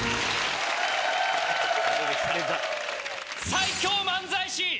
最強漫才師。